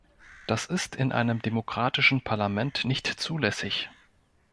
Das ist in einem demokratischen Parlament nicht zulässig.